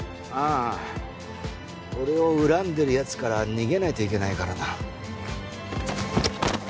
ああ俺を恨んでる奴から逃げないといけないからな。